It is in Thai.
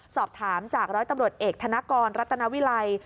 สอบถามจากร้อยตำรวจเอกธนกรรัตนาวิลัย